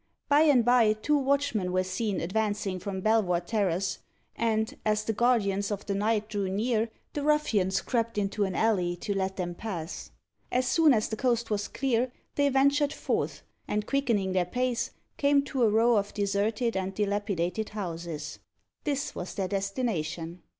By and by, two watchmen were seen advancing from Belvoir Terrace, and, as the guardians of the night drew near, the ruffians crept into an alley to let them pass. As soon as the coast was clear, they ventured forth, and quickening their pace, came to a row of deserted and dilapidated houses. This was their destination.